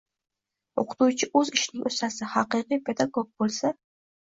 O‘qituvchi o‘z ishining ustasi – haqiqiy pedagog bo‘lsa: